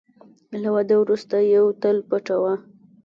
له واده وروسته یوه تل پټوه .